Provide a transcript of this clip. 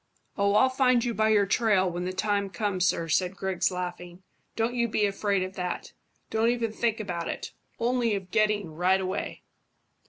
"Oh, I'll find you by your trail when the time comes, sir," said Griggs, laughing. "Don't you be afraid of that. Don't even think about it, only of getting right away."